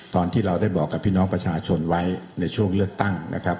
ตอนที่เราได้บอกกับพี่น้องประชาชนไว้ในช่วงเลือกตั้งนะครับ